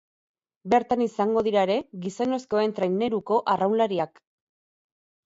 Bertan izango dira ere gizonezkoen traineruko arraunlariak.